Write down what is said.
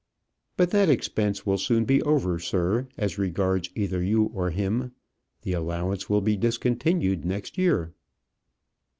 "But that expense will soon be over, sir, as regards either you or him. The allowance will be discontinued next year."